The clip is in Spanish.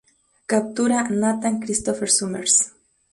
Captura a Nathan Christopher Summers.